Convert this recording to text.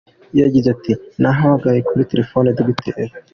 Yagize ati "Nahamagaye kuri telefoni Dr.